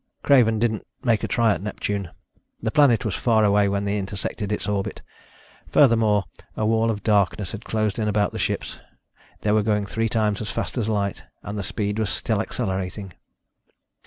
Craven didn't make a try at Neptune. The planet was far away when they intersected its orbit ... furthermore, a wall of darkness had closed in about the ships. They were going three times as fast as light and the speed was still accelerating!